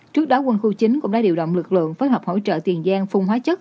trước đó quân khu chín cũng đã điều động lực lượng phối hợp hỗ trợ tiền giang phun hóa chất